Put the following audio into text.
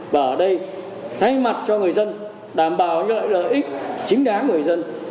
và ở đây thay mặt cho người dân đảm bảo lợi ích chính đáng người dân